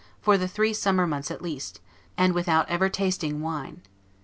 for the three summer months at least, and without ever tasting wine.